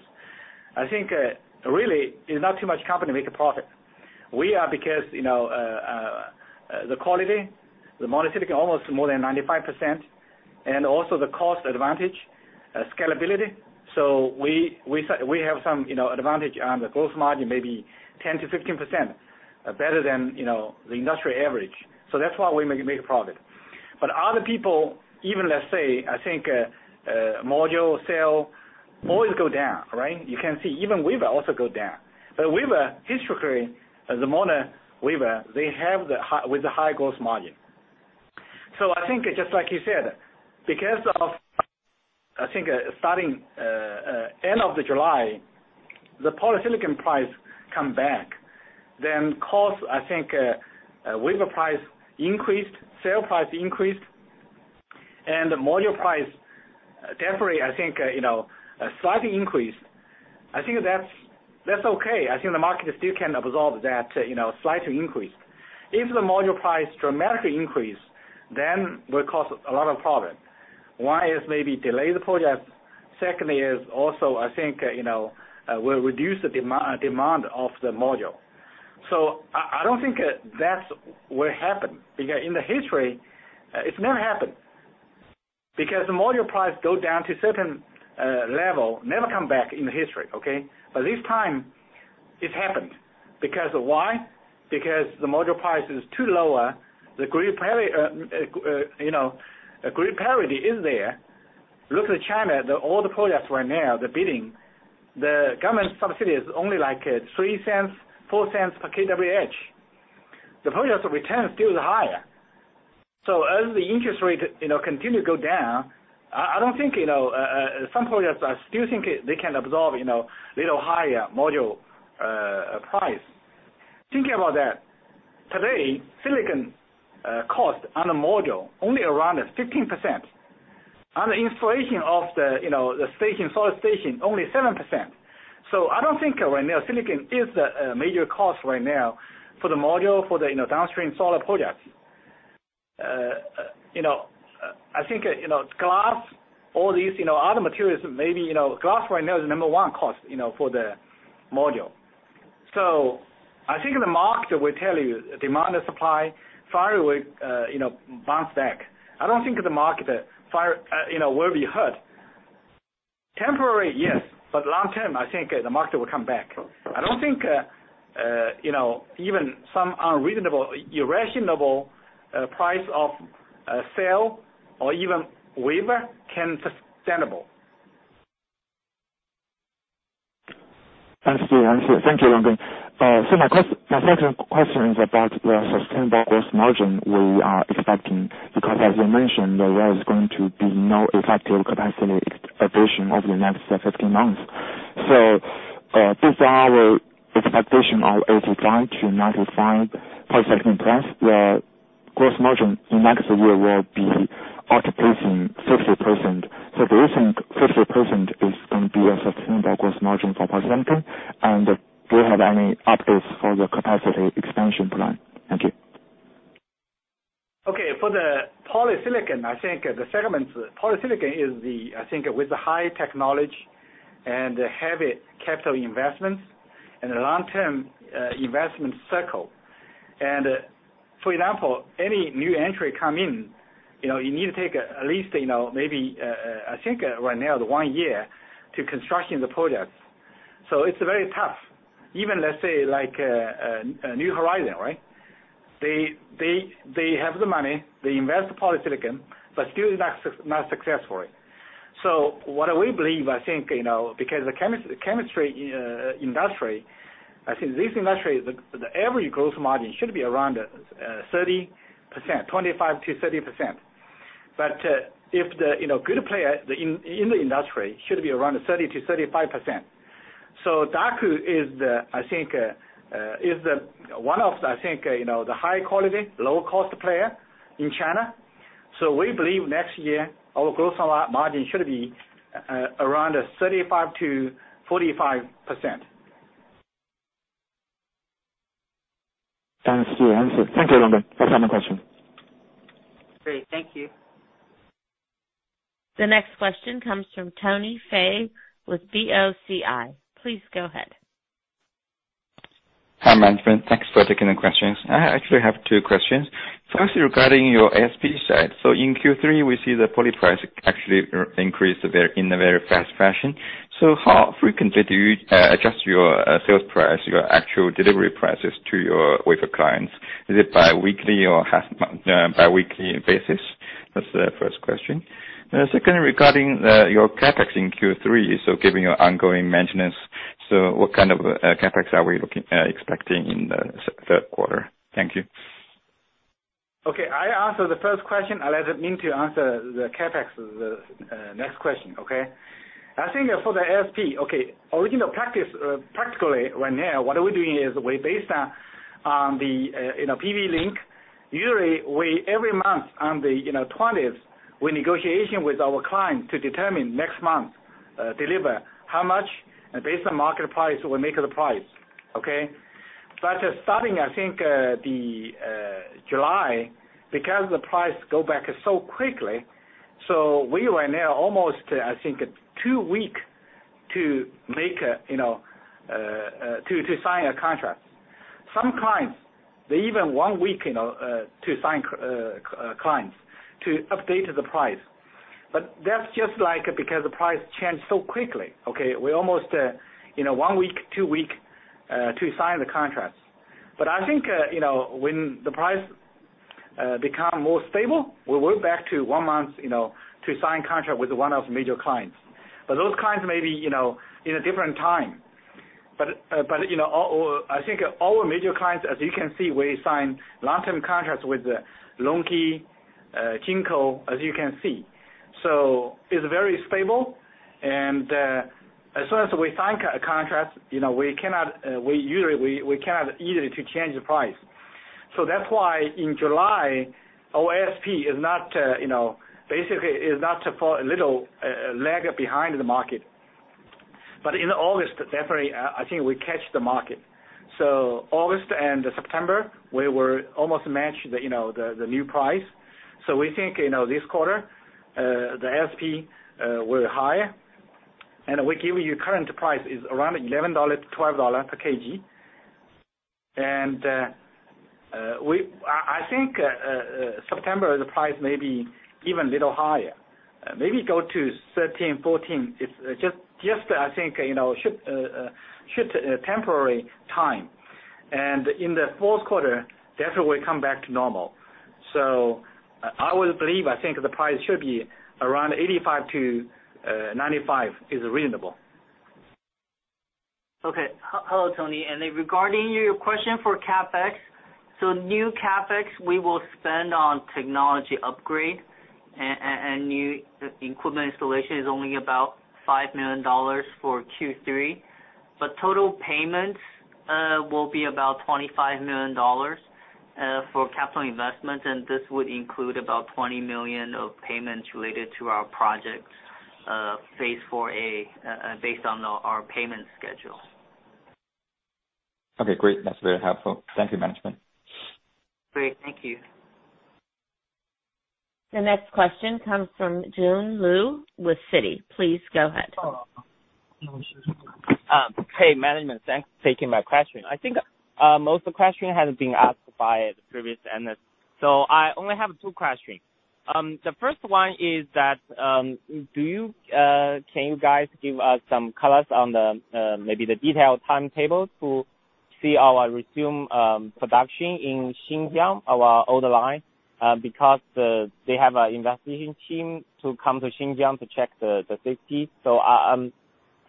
Speaker 3: I think, really there's not too much company make a profit. We are because, you know, the quality, the polysilicon almost more than 95%, and also the cost advantage, scalability. We have some, you know, advantage on the gross margin, maybe 10%-15% better than, you know, the industry average. That's why we make a profit. Other people, even let's say, I think, module sale always go down, right? You can see even wafer also go down. Wafer historically, as a mono wafer, they have the high, with the high gross margin. I think just like you said, because of, I think, starting end of the July, the polysilicon price come back. Cost, I think, wafer price increased, sale price increased, and the module price definitely I think, you know, slightly increased. I think that's okay. I think the market still can absorb that, you know, slight increase. If the module price dramatically increase, then will cause a lot of problems. One is maybe delay the projects. Secondly is also I think, you know, will reduce the demand of the module. I don't think that's what happened. In the history, it's never happened. The module price go down to certain level, never come back in the history, okay. This time it happened. Why? The module price is too lower. The grid parity, you know, grid parity is there. Look at China, all the projects right now, the bidding. The government subsidy is only like, $0.03, $0.04 per kWh. The projects return still higher. As the interest rate, you know, continue to go down, I don't think, you know, some projects are still think they can absorb, you know, little higher module price. Think about that. Today, silicon cost on a module only around 15%. On the installation of the, you know, the station, solar station, only 7%. I don't think right now silicon is the major cost right now for the module, for the, you know, downstream solar projects. You know, I think, you know, glass, all these, you know, other materials maybe, you know, glass right now is number one cost, you know, for the module. I think the market will tell you demand and supply finally will, you know, bounce back. I don't think the market, you know, will be hurt. Temporary, yes. Long term, I think the market will come back. I don't think, you know, even some unreasonable, irrational price of cell or even wafer can sustainable.
Speaker 8: Understood. Understood. Thank you, Longgen. My second question is about the sustainable gross margin we are expecting, because as you mentioned, there was going to be no effective capacity addition over the next 15 months. Based on our expectation of 85-95 polysilicon price, the gross margin in next year will be outpacing 50%. Do you think 50% is gonna be a sustainable gross margin for polysilicon? And do you have any updates for the capacity expansion plan? Thank you.
Speaker 3: Okay. For the polysilicon, I think polysilicon is the, I think, with the high technology and heavy capital investments and the long-term investment cycle. For example, any new entry come in, you know, you need to take at least, you know, maybe, I think right now the one year to construction the projects. It's very tough. Even let's say like New Horizon, right? They have the money, they invest polysilicon, but still not successful. What do we believe? I think, you know, because the chemistry industry, I think this industry, the average gross margin should be around 30%, 25%-30%. If the, you know, good player in the industry should be around 30%-35%. Daqo is the one of the, you know, the high quality, low cost player in China. We believe next year our gross margin should be around 35%-45%.
Speaker 8: Understood. Understood. Thank you, Longgen. That's [all my] question.
Speaker 4: Great. Thank you.
Speaker 1: The next question comes from Tony Fei with BOCI. Please go ahead.
Speaker 9: Hi, management. Thanks for taking the questions. I actually have two questions. First, regarding your ASP side. In Q3, we see the poly price actually increased in a very fast fashion. How frequently do you adjust your sales price, your actual delivery prices to your wafer clients? Is it bi-weekly or half month, bi-weekly basis? That's the first question. Second, regarding your CapEx in Q3, so giving your ongoing maintenance, so what kind of CapEx are we looking, expecting in the third quarter? Thank you.
Speaker 3: Okay. I answer the first question. I'll let Ming to answer the CapEx next question. Okay? I think for the ASP, okay, original practice, practically right now, what we're doing is we based on the, you know, PVinsights. Usually we every month on the, you know, 20th, we negotiation with our client to determine next month deliver how much, and based on market price, we make the price. Okay? Starting, I think, the July, because the price go back so quickly, we right now almost, I think, two weeks to make, you know, to sign a contract. Some clients, they even one week, you know, clients to update the price. That's just like because the price changed so quickly, okay? We almost, you know, one week, two weeks to sign the contracts. I think, you know, when the price become more stable, we're back to one month, you know, to sign contract with one of major clients. Those clients may be, you know, in a different time. You know, all I think all our major clients, as you can see, we signed long-term contracts with LONGi, Jinko, as you can see. It's very stable, and as soon as we sign contract, you know, we cannot, we usually we cannot easily to change the price. That's why in July, our ASP is not, you know, basically is not for little lag behind the market. In August, definitely, I think we catch the market. August and September, we were almost matched the, you know, the new price. We think, you know, this quarter, the ASP will higher. We give you current price is around $11-$12 per kg. I think September the price may be even little higher. Maybe go to $13-$14. It's just I think, you know, should temporary time. In the fourth quarter, definitely come back to normal. I would believe, I think the price should be around 85-95 is reasonable.
Speaker 4: Okay. Hello, Tony. Regarding your question for CapEx, new CapEx we will spend on technology upgrade and new equipment installation is only about $5 million for Q3. Total payments will be about $25 million for capital investments, and this would include about $20 million of payments related to our projects, phase 4A, based on our payment schedule.
Speaker 9: Okay, great. That's very helpful. Thank you, management.
Speaker 4: Great. Thank you.
Speaker 1: The next question comes from Jun Liu with Citi. Please go ahead.
Speaker 10: Hey, management. Thanks for taking my question. I think most of the question has been asked by the previous analyst. I only have two questions. The first one is that can you guys give us some colors on the maybe the detailed timetables to see our resume production in Xinjiang, our older line, because they have a investigation team to come to Xinjiang to check the safety.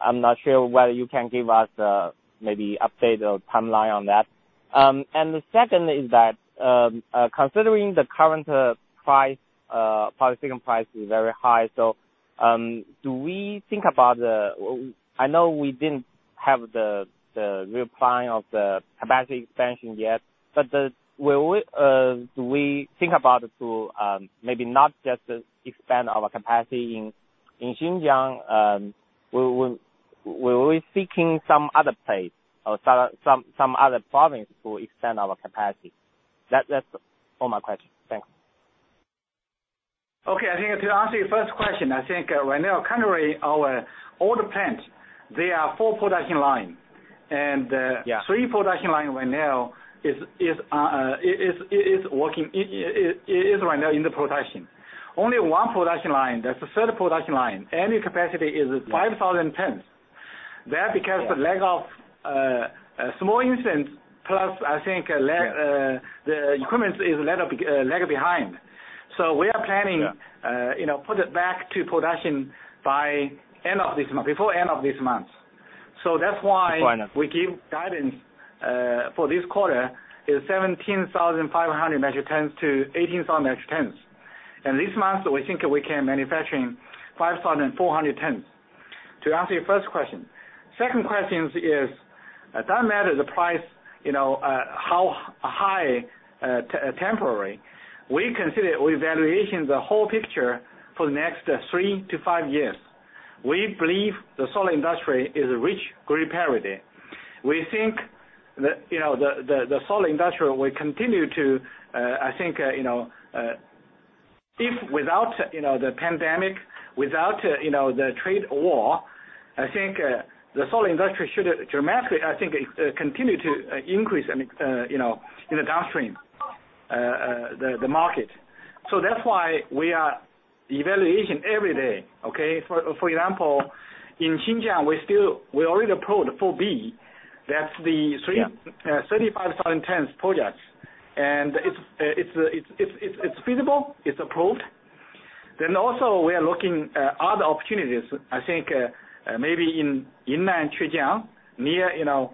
Speaker 10: I'm not sure whether you can give us maybe update or timeline on that. The second is that, considering the current price, polysilicon price is very high, so, do we think about the, I know we didn't have the reply of the capacity expansion yet, but will we, do we think about to maybe not just expand our capacity in Xinjiang, were we seeking some other place or some other province to extend our capacity? That's all my question. Thanks.
Speaker 3: Okay. I think to answer your first question, I think, right now currently our older plant, there are four production line.
Speaker 10: Yeah.
Speaker 3: Three production line right now is working, is right now in the production. Only one production line, that's the third production line, annual capacity is 5,000 tons.
Speaker 10: Yeah.
Speaker 3: The lack of small incident, plus I think.
Speaker 10: Yeah.
Speaker 3: The equipment is a little lag behind. We are planning.
Speaker 10: Yeah.
Speaker 3: You know, put it back to production by end of this month, before end of this month.
Speaker 10: Why not?
Speaker 3: We give guidance for this quarter is 17,500 metric tons-18,000 metric tons. This month we think we can manufacturing 5,400 tons. To answer your first question. Second questions is, it don't matter the price, you know, how high, temporary. We consider, we evaluation the whole picture for the next three to five years. We believe the solar industry is a rich grid parity. We think the, you know, the solar industry will continue to, I think, you know, if without, you know, the pandemic, without, you know, the trade war, I think, the solar industry should dramatically, I think, continue to increase in, you know, in the downstream, the market. That's why we are evaluation every day, okay? For example, in Xinjiang, we already approved phase 4B.
Speaker 10: Yeah.
Speaker 3: 35,000 tons projects. It's feasible, it's approved. We are looking other opportunities. Maybe in Zhejiang, near, you know,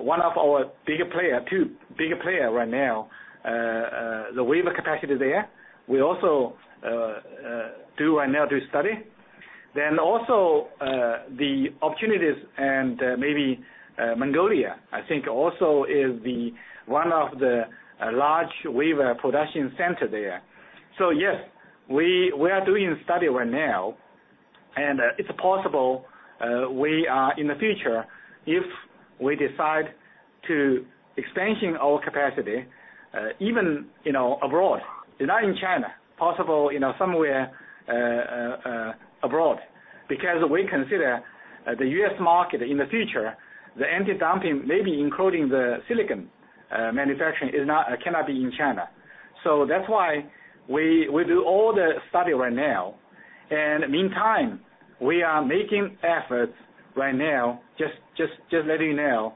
Speaker 3: one of our bigger player, two bigger player right now, the wafer capacity there. We also do right now study. The opportunities and maybe Mongolia, also is the one of the large wafer production center there. We are doing study right now, and it's possible we are in the future, if we decide to extension our capacity, even, you know, abroad, not in China, possible, you know, somewhere abroad. Because we consider the U.S. market in the future, the anti-dumping, maybe including the silicon manufacturing is not, cannot be in China. That's why we do all the study right now. Meantime, we are making efforts right now, just letting you know,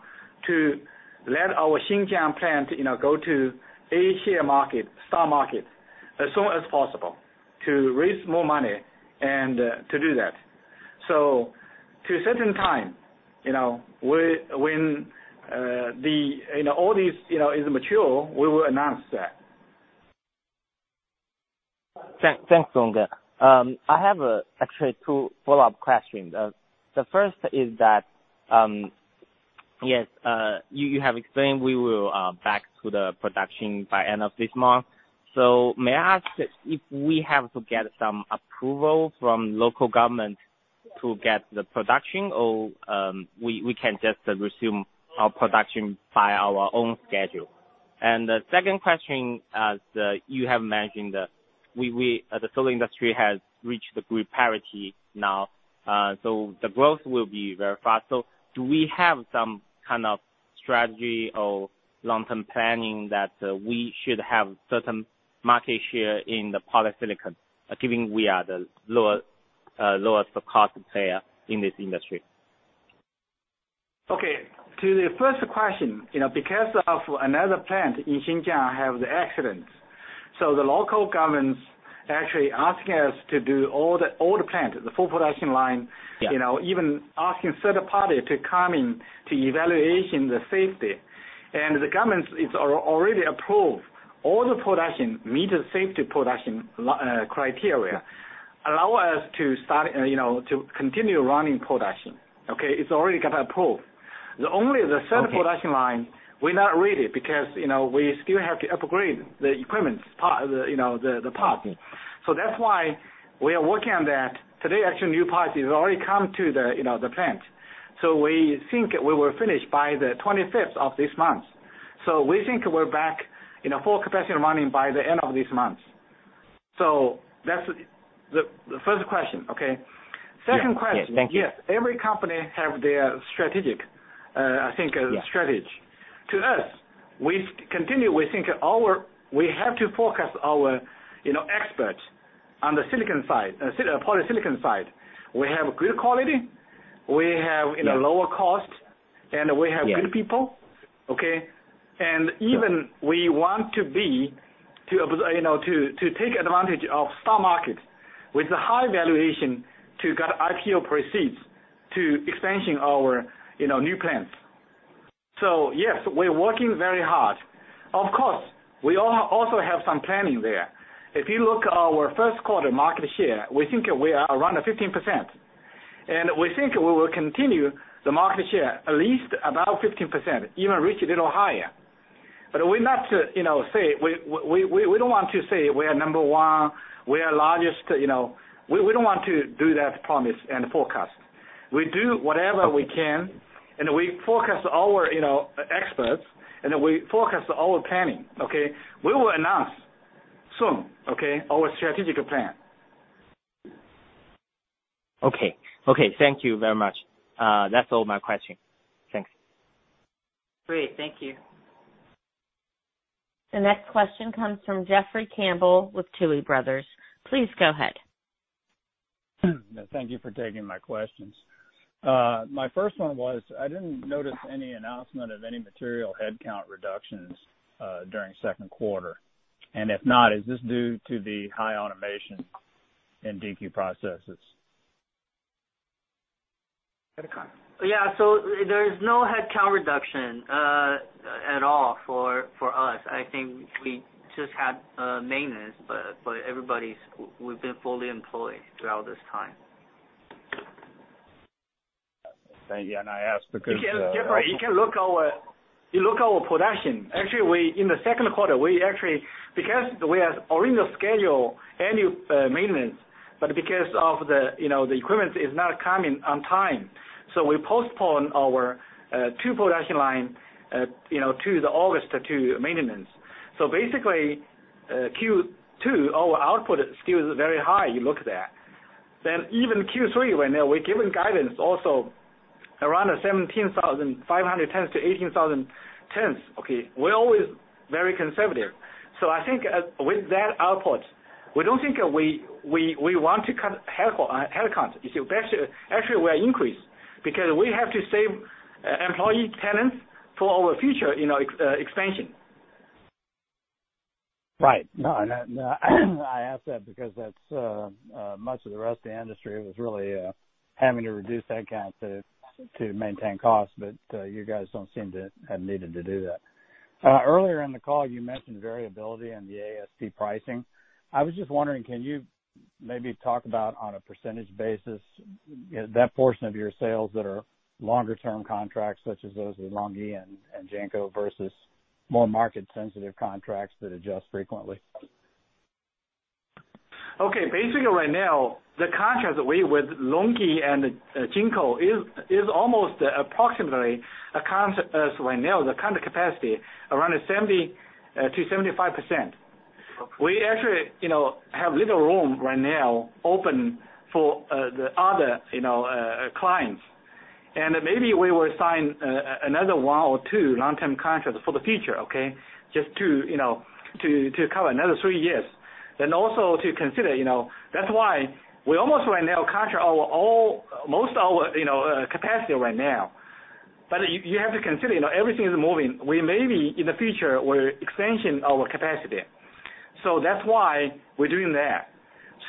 Speaker 3: to let our Xinjiang plant, you know, go to A-share market, stock market, as soon as possible. To raise more money and to do that. To a certain time, you know, when the you know, all these, you know, is mature, we will announce that.
Speaker 10: Thanks, Longgen. I have actually two follow-up questions. The first is that, yes, you have explained we will back to the production by end of this month. May I ask if we have to get some approval from local government to get the production or we can just assume our production by our own schedule? The second question, as you have mentioned that the solar industry has reached grid parity now, the growth will be very fast. Do we have some kind of strategy or long-term planning that we should have certain market share in the polysilicon, given we are the lower, lowest cost player in this industry?
Speaker 3: Okay. To the first question, you know, because of another plant in Xinjiang have the accident, the local governments actually asking us to do all the plant, the full production line.
Speaker 10: Yeah.
Speaker 3: You know, even asking third-party to come in to evaluation the safety. The government is already approved all the production meet the safety production criteria.
Speaker 10: Yeah.
Speaker 3: Allow us to start, you know, to continue running production, okay? It's already got approved.
Speaker 10: Okay.
Speaker 3: The third production line, we're not ready because, you know, we still have to upgrade the equipment part, you know, the parts. That's why we are working on that. Today, actually, new parts has already come to the, you know, the plant. We think we will finish by the 25th of this month. We think we're back in a full capacity running by the end of this month. That's the first question, okay?
Speaker 10: Yeah. Yes, thank you.
Speaker 3: Second question. Yes, every company have their strategic.
Speaker 10: Yeah.
Speaker 3: Strategy. To us, we continue, we have to focus our, you know, experts on the silicon side, polysilicon side. We have good quality, we have.
Speaker 10: Yeah.
Speaker 3: A lower cost.
Speaker 10: Yeah.
Speaker 3: Good people, okay?
Speaker 10: Yeah.
Speaker 3: Even we want to be to take advantage of stock market with the high valuation to get IPO proceeds to expansion our, you know, new plants. Yes, we're working very hard. Of course, we also have some planning there. If you look our first quarter market share, we think we are around 15%. We think we will continue the market share at least about 15%, even reach a little higher. We're not, you know, say we don't want to say we are number one, we are largest, you know. We don't want to do that promise and forecast. We do whatever we can, and we forecast our, you know, experts, and we forecast our planning, okay? We will announce soon, okay? Our strategical plan.
Speaker 10: Okay. Okay, thank you very much. That's all my question. Thanks.
Speaker 4: Great. Thank you.
Speaker 1: The next question comes from Jeffrey Campbell with Tuohy Brothers. Please go ahead.
Speaker 11: Thank you for taking my questions. My first one was, I didn't notice any announcement of any material headcount reductions, during second quarter. If not, is this due to the high automation in Daqo processes?
Speaker 4: Yeah. There's no headcount reduction at all for us. I think we just had maintenance, but everybody's, we've been fully employed throughout this time.
Speaker 11: Thank you. I ask because.
Speaker 3: Jeffrey, you look our production. Actually, we In the second quarter, we actually Because we are original schedule annual maintenance, but because of the, you know, the equipment is not coming on time, we postpone our two production line, you know, to the August to maintenance. Basically, Q2, our output still is very high, you look there. Even Q3, when we're giving guidance also around 17,500-18,000 tons, okay? We're always very conservative. I think with that output, we don't think we want to cut headcounts. You see, actually we are increased because we have to save employee talents for our future, you know, expansion.
Speaker 11: Right. No, no. I asked that because that's much of the rest of the industry was really having to reduce headcount to maintain costs. You guys don't seem to have needed to do that. Earlier in the call, you mentioned variability in the ASP pricing. I was just wondering, can you maybe talk about on a percentage basis, you know, that portion of your sales that are longer-term contracts such as those with LONGi and Jinko versus more market-sensitive contracts that adjust frequently?
Speaker 3: Okay. Basically right now, the contracts with LONGi and Jinko is almost approximately accounts as right now, the current capacity, around 70%-75%.
Speaker 11: Okay.
Speaker 3: We actually, you know, have little room right now open for, the other, you know, clients. Maybe we will sign, another one or two long-term contracts for the future, okay? Just to, you know, to cover another three years. Also to consider, you know, that's why we almost right now contract almost all our, you know, capacity right now. You have to consider, you know, everything is moving. We may be, in the future, we're extending our capacity. That's why we're doing that.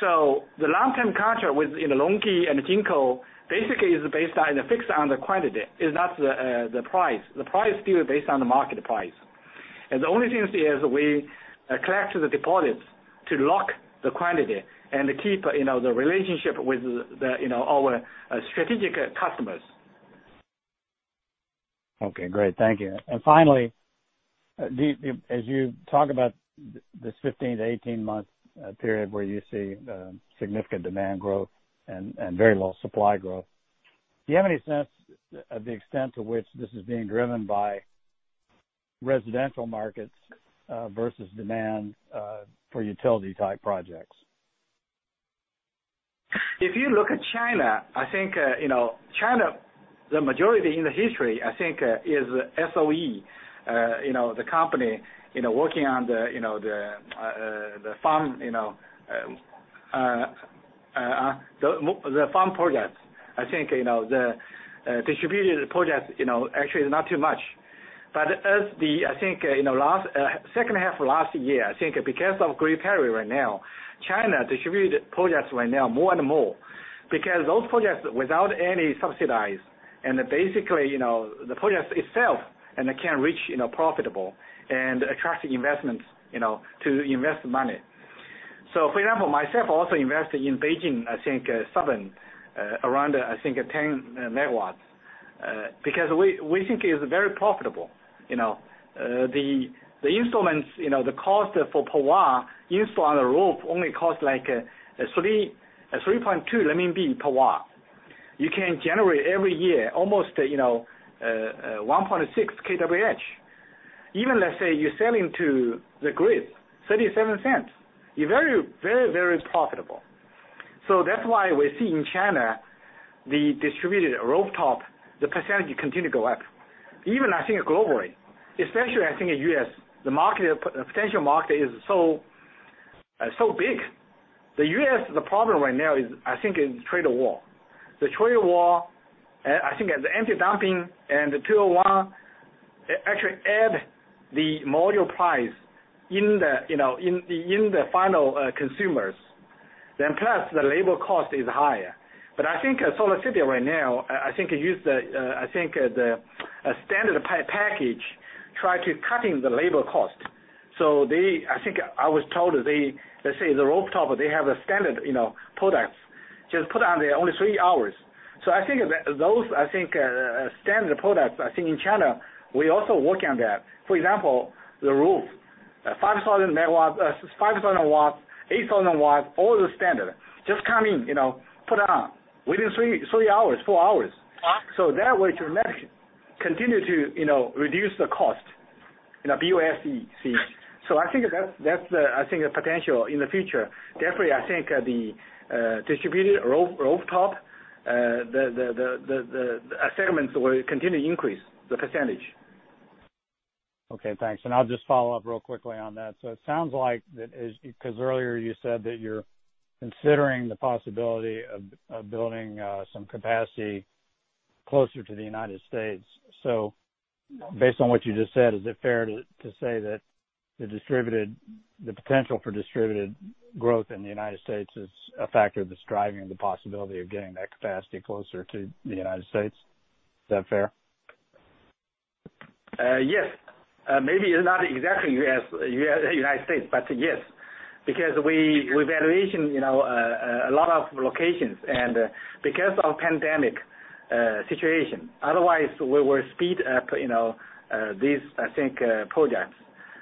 Speaker 3: The long-term contract with, you know, LONGi and Jinko basically is based on the fixed and the quantity. It's not the price. The price still based on the market price. The only thing is we collect the deposits to lock the quantity and to keep, you know, the relationship with the, you know, our strategic customers.
Speaker 11: Okay, great. Thank you. Finally, as you talk about this 15-18 month period where you see significant demand growth and very low supply growth, do you have any sense of the extent to which this is being driven by residential markets versus demand for utility-type projects?
Speaker 3: If you look at China, you know, China, the majority in the history, is SOE, the company, working on the farm projects. distributed projects, actually is not too much. As in the last second half of last year, because of grid parity right now, China distributed projects right now more and more. Because those projects without any subsidies, the projects itself they can reach profitable and attract investments to invest money. For example, myself also invested in Beijing, southern, around 10 MW. Because we think it's very profitable. The installments, you know, the cost for per watt install on the roof only cost like, 3.2 renminbi/W. You can generate every year, almost, you know, 1.6 kWh. Even let's say you're selling to the grid, 0.37. You're very, very, very profitable. That's why we're seeing China, the distributed rooftop, the percentage continue to go up. I think globally, especially I think in U.S., the market, potential market is so big. The U.S., the problem right now is, I think it's trade war. The trade war, I think the anti-dumping and the Section 201, actually add the module price in the final consumers. Plus, the labor cost is higher. I think SolarCity right now, I think use the, I think, the, a standard package try to cutting the labor cost. They I think I was told they, let's say the rooftop, they have a standard, you know, products. Just put on there only three hours. I think those, I think, standard products, I think in China, we also working on that. For example, the roof. 5,000 MW, 5,000 W, 8,000 W, all the standard. Just come in, you know, put on within three hours, four hours.
Speaker 11: Uh-
Speaker 3: That way to max, continue to, you know, reduce the cost in a BOS Piece. I think that's the, I think the potential in the future. Definitely, I think the distributed roof, rooftop segments will continue to increase the percentage.
Speaker 11: Okay, thanks. I'll just follow up real quickly on that. It sounds like that is, cause earlier you said that you're considering the possibility of building some capacity closer to the United States. Based on what you just said, is it fair to say that the potential for distributed growth in the United States. is a factor that's driving the possibility of getting that capacity closer to the United States? Is that fair?
Speaker 3: Yes. Maybe it's not exactly U.S., United States, but yes. Because we evaluation, you know, a lot of locations and because of pandemic situation. Otherwise, we will speed up, you know, these, I think, projects.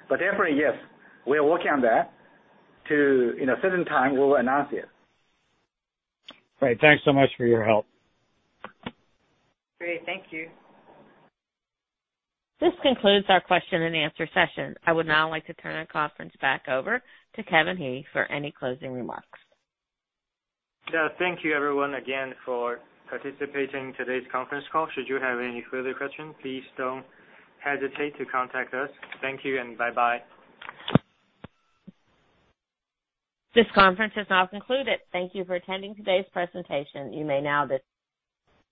Speaker 3: Definitely, yes, we are working on that to, in a certain time, we will announce it.
Speaker 11: Great. Thanks so much for your help.
Speaker 4: Great. Thank you.
Speaker 1: This concludes our question and answer session. I would now like to turn the conference back over to Kevin He for any closing remarks.
Speaker 2: Yeah. Thank you everyone again for participating in today's conference call. Should you have any further questions, please don't hesitate to contact us. Thank you and bye-bye.
Speaker 1: This conference is now concluded. Thank you for attending today's presentation. You may now disconnect.